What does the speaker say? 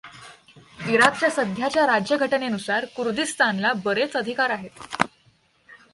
इराकच्या सध्याच्या राज्यघटनेनुसार कुर्दिस्तानला बरेच अधिकार आहेत.